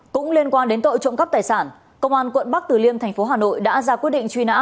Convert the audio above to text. cũng liên quan đến tội trộm cắp tài sản công an quận bắc từ liêm thành phố hà nội đã ra quyết định truy nã